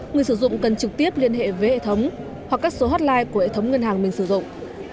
người sử dụng cần trực tiếp liên hệ với hệ thống hoặc các số hotline của hệ thống ngân hàng mình sử dụng